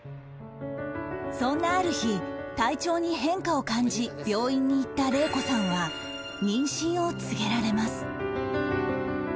そんなある日体調に変化を感じ病院に行った令子さんは妊娠を告げられます